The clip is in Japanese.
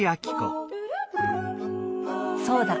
そうだ！